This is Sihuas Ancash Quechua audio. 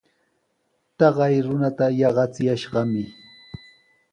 Taqay runata yaqachiyashqami.